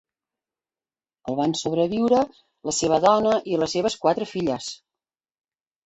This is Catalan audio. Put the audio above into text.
El van sobreviure la seva dona i les seves quatre filles.